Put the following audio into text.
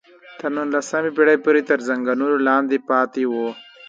تر نولسمې پېړۍ پورې تر ځنګلونو لاندې پاتې وو.